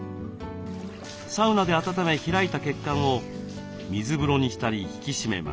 サウナで温め開いた血管を水風呂に浸り引き締めます。